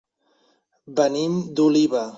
Venim d'Oliva.